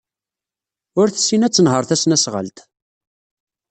Ur tessin ad tenheṛ tasnasɣalt.